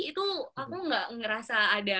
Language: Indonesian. itu aku gak ngerasa ada